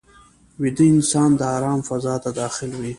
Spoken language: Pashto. ویده انسان د آرام فضا ته داخل وي